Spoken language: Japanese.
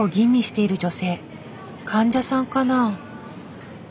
患者さんかな？